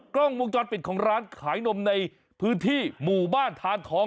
กล้องวงจรปิดของร้านขายนมในพื้นที่หมู่บ้านทานทอง